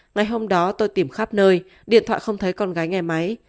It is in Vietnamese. ngày hôm đó tôi tìm khắp nơi điện thoại không thấy con gái nghe máy